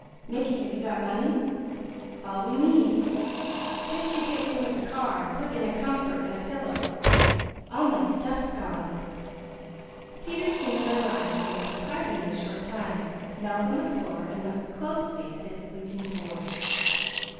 "Mickey have you got money " "All we need, just you get here with the car, and put in a comfort and pillow. All my stuff is gone!" Peter Senior arrived in a surprisingly short time, knelt on the floor and looked closely at his sleeping boy.